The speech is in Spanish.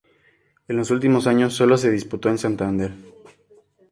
En los últimos años solo se disputó en Santander.